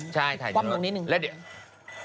ใช่ถ่ายจากรถ